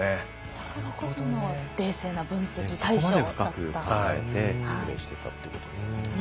だからこその冷静な分析対処だったということですね。